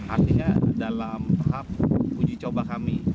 artinya dalam tahap uji coba kami